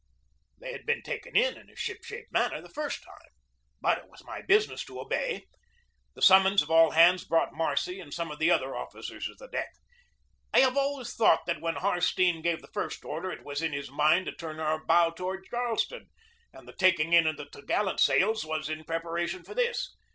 They had been taken in in a ship shape manner the first time. But it was my business to obey. 36 GEORGE DEWEY The summons of all hands brought Marcy and some of the other officers on deck. I have always thought that when Harstene gave the first order it was in his mind to turn our bow toward Charleston, and the taking in of the top gallant sails was in prepara tion for this.